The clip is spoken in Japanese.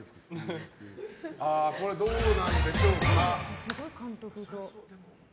これはどうなんでしょうか。